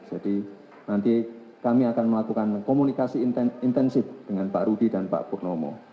jadi nanti kami akan melakukan komunikasi intensif dengan pak rudi dan pak purnomo